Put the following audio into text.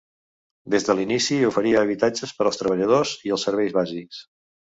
Des de l'inici oferia habitatges per als treballadors i els serveis bàsics.